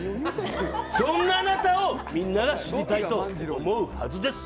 そんなあなたをみんなが知りたいと思うはずです。